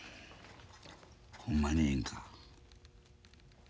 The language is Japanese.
ほんまにええんか？